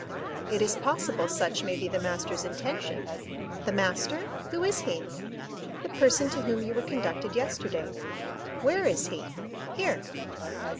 "It is possible such may be the master's intention." "The master?—who is he?" "The person to whom you were conducted yesterday." "Where is he?" "Here."